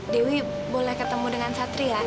dewi boleh ketemu dengan satria